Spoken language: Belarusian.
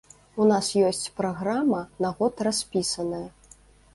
У нас ёсць праграма, на год распісаная.